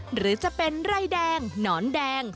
หรือจะเป็นไร่แดงหนอนแดง